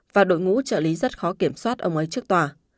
và đội ngũ trợ lý rất khó kiểm soát ông ấy trước tòa